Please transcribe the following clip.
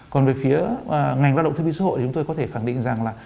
còn về phía ngành lao động thương minh xã hội thì chúng tôi có thể khẳng định rằng là